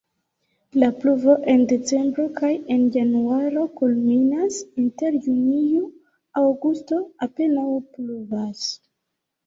La pluvo en decembro kaj en januaro kulminas, inter junio-aŭgusto apenaŭ pluvas.